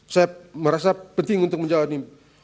saya merasa penting untuk menjawab ini